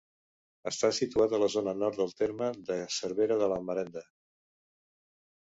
Està situat a la zona nord del terme de Cervera de la Marenda.